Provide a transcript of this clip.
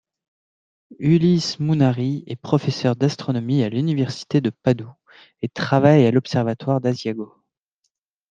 Ulisse Munari est professeur d'astronomie à l'université de Padoue et travaille à l'observatoire d'Asiago.